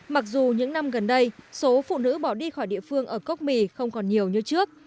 mặc dù những năm gần đây số phụ nữ bỏ đi khỏi địa phương ở cốc mì không còn nhiều như trước